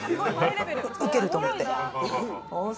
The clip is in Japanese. ウケると思ってモー娘。